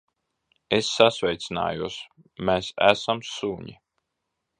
Es sasveicinājos. Mēs esam suņi.